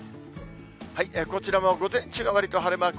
こちらは午前中がわりと晴れマーク